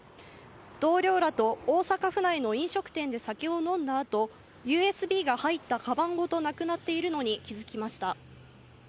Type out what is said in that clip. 同僚らと大阪府内の飲食店で酒を飲んだあと、ＵＳＢが入ったかばんごとなくなっているのに気付きました。